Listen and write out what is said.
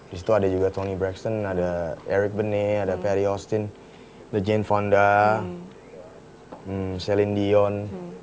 di situ ada juga toni braxton ada eric benet ada ferry austin ada jane fonda celine dion